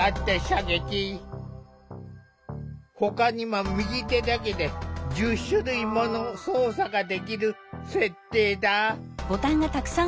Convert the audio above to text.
ほかにも右手だけで１０種類もの操作ができる設定だ。